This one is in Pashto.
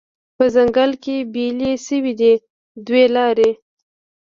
په ځنګله کې بیلې شوې دي دوې لارې